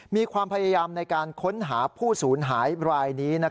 มีความพยายามในการค้นหาผู้สูญหายรายนี้